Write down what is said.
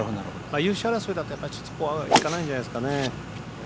優勝争いだといかないんじゃないですかね。